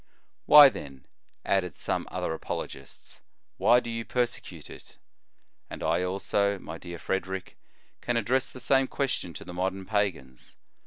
"*" Why, then," added some other apologists, " why do you persecute it ?" And I also, my dear Frederic, can address the same ques tion to the modern pagans.